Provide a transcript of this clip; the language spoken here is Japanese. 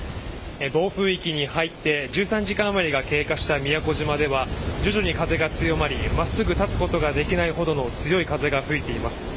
暴風域に入って１３時間余りが経過した宮古島では、徐々に風が強まりまっすぐ立つことができないほどの強い風が吹いています。